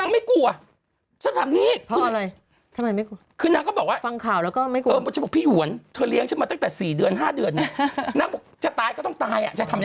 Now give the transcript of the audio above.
ไม่กลัวน้อยเลยล่ะ